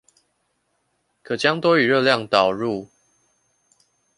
可將多餘熱量導入